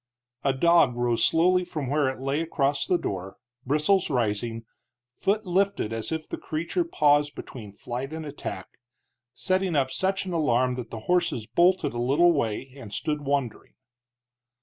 A dog rose slowly from where it lay across the door, bristles rising, foot lifted as if the creature paused between flight and attack, setting up such an alarm that the horses bolted a little way and stood wondering.